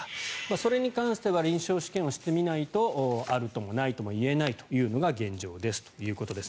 それに関しては臨床試験をしてみないとあるともないとも言えないというのが現状ですということです。